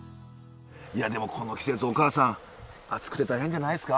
いやでもこの季節お母さん暑くて大変じゃないですか？